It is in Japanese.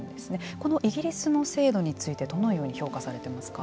このイギリスの制度についてどのように評価されていますか。